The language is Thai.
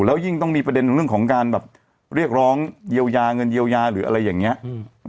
แล้วยิ่งต้องมีประเด็นเรื่องของการแบบเรียกร้องเยียวยาเงินเยียวยาหรืออะไรอย่างเงี้ยอืม